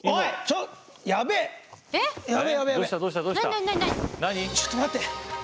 ちょっと待って！